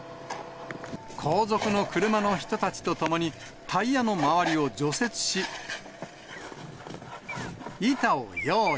後続の車の人たちと共に、タイヤの周りを除雪し、板を用意。